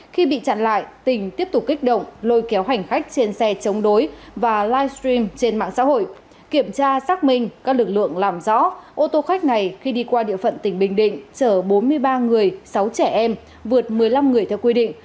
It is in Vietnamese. khi bị chặn lại tỉnh tiếp tục kích động lôi kéo hành khách trên xe chống đối và livestream trên mạng xã hội kiểm tra xác minh các lực lượng làm rõ ô tô khách này khi đi qua địa phận tỉnh bình định chở bốn mươi ba người sáu trẻ em vượt một mươi năm người theo quy định